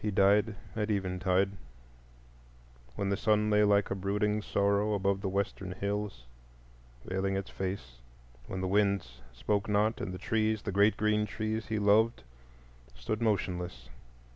He died at eventide, when the sun lay like a brooding sorrow above the western hills, veiling its face; when the winds spoke not, and the trees, the great green trees he loved, stood motionless.